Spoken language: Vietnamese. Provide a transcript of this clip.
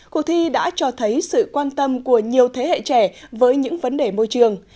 cuộc thi đã cho thấy sự quan tâm của nhiều thế hệ trẻ với những vấn đề môi trường